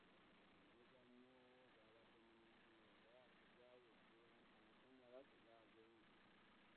Omuzannyo gwabadde munyuvu naye tegwawedde anti amasannyalaze gaagenze.